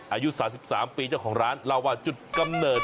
อายุ๓๓ปีเจ้าของร้านเล่าว่าจุดกำเนิด